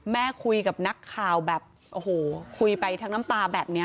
คุยกับนักข่าวแบบโอ้โหคุยไปทั้งน้ำตาแบบนี้